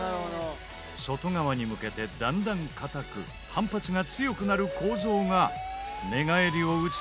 外側に向けてだんだん硬く反発が強くなる構造ががうてるのだもう１つ